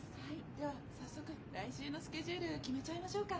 では早速来週のスケジュール決めちゃいましょうか。